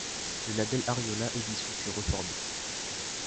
Le label Ariola est dissout puis reformé.